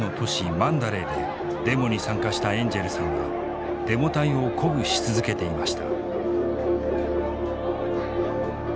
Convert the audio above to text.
マンダレーでデモに参加したエンジェルさんはデモ隊を鼓舞し続けていました。